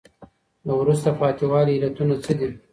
د وروسته پاتي والي علتونه څه دي؟